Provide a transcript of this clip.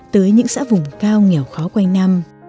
tới những xã vùng cao nghèo khó quanh năm